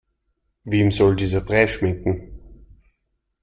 Wem soll dieser Brei schmecken?